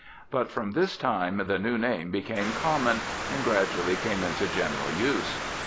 but from this time the new name became common, and gradually came into general use.